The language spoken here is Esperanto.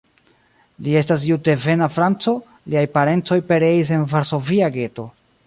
Li estas jud-devena franco, liaj parencoj pereis en Varsovia geto.